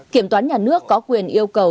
kiểm toán nhà nước có quyền yêu cầu